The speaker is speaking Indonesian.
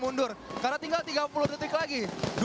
mundur karena tinggal tiga puluh detik lagi